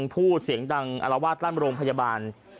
พูดเสียงดังอารวาสตั้นโรงพยาบาล